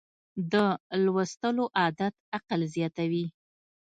د لوستلو عادت عقل زیاتوي.